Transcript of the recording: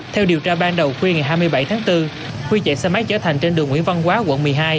theo điều tra ban đầu khuya ngày hai mươi bảy tháng bốn huy chạy xe máy trở thành trên đường nguyễn văn quá quận một mươi hai